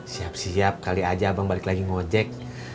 siap siap kali aja abang balik lagi ngojek